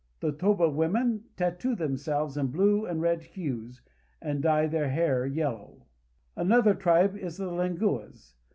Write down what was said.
The Toba women tatoo themselves in blue and red Hues, and dye their hair yellow. Another tribe is the Lenguas.